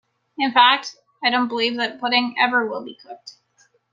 In fact, I don’t believe that pudding ever will be cooked!